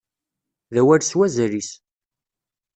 D awal s wazal-is.